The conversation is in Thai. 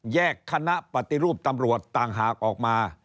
คณะปฏิรูปตำรวจต่างหากออกมา